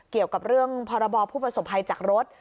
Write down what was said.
เกี่ยวกับเรื่องพรบผู้ประสบภัยจากรถ